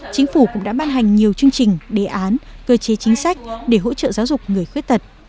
chính phủ cũng đã ban hành nhiều chương trình đề án cơ chế chính sách để hỗ trợ giáo dục người khuyết tật